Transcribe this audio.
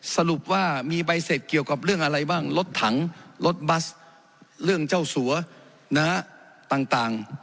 สรุปว่ามีใบเสร็จเกี่ยวกับเรื่องอะไรบ้างรถถังรถบัสเรื่องเจ้าสัวต่าง